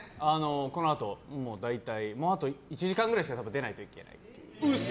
このあと大体あと１時間くらいしたら多分、出ないといけないので。